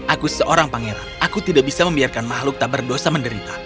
aku seorang pangeran aku tidak bisa membiarkan makhluk tak berdosa menderita